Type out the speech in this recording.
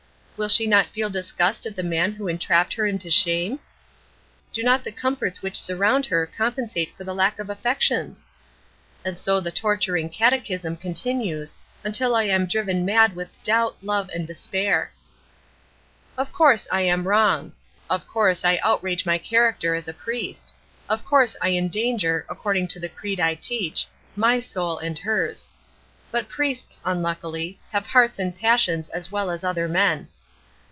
Will she not feel disgust at the man who entrapped her into shame? Do not the comforts which surround her compensate for the lack of affections?" And so the torturing catechism continues, until I am driven mad with doubt, love, and despair. Of course I am wrong; of course I outrage my character as a priest; of course I endanger according to the creed I teach my soul and hers. But priests, unluckily, have hearts and passions as well as other men.